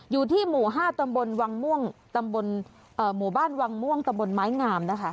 อยู่ที่หมู่ห้าตำบลตำบลหมู่บ้านวางม่วงตำบลม้ายงาม